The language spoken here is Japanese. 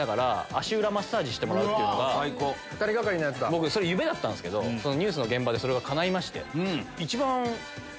僕それ夢だったんすけどＮＥＷＳの現場でそれがかないまして。